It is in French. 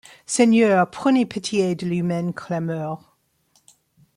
Seigneur, prenez pitié de l’humaine clameur.